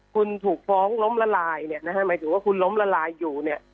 คุณถูกฟ้องล้มละลายหมายถึงว่าคุณล้มละลายอยู่